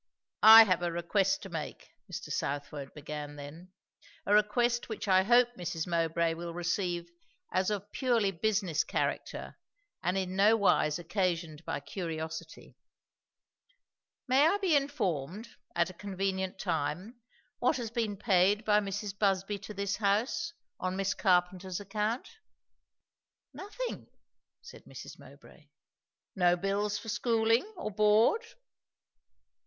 "I have a request to make," Mr. Southwode began then; "a request which I hope Mrs. Mowbray will receive as of purely business character, and in no wise occasioned by curiosity. May I be informed, at a convenient time, what has been paid by Mrs. Busby to this house, on Miss Carpenter's account?" "Nothing," said Mrs. Mowbray. "No bills for schooling? or board?"